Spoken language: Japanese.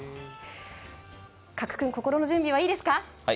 加来君、心の準備はいいですか？